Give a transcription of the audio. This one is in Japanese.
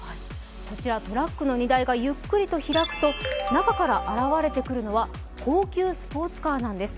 こちらトラックの荷台がゆっくりと開くと中から現れてくるのは高級スポーツカーなんです。